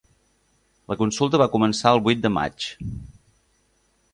La consulta va començar el vuit de maig.